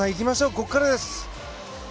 ここからです。